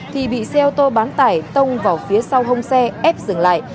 thì bị xe ô tô bán tải tông vào phía sau hông xe ép dừng lại